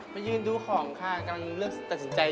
ไปยื่นดูของข้ากำลังเลือกตัดสินใจให้ยุ่น